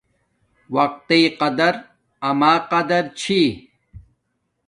وقت تݵ قدر اما قدر چھی